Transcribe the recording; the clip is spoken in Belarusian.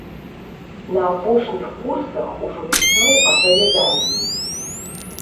На апошніх курсах ужо пісаў апавяданні.